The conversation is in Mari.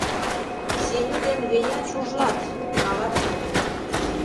Сеню ден Веня чужлат, малат.